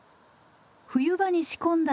冬場に仕込んだ